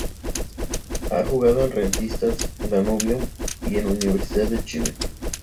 Ha jugado en Rentistas, Danubio y en Universidad de Chile.